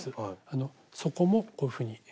あの底もこういうふうに。